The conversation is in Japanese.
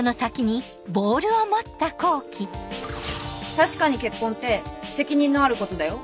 確かに結婚って責任のあることだよ。